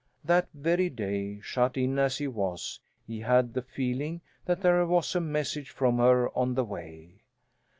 That very day, shut in as he was, he had the feeling that there was a message from her on the way.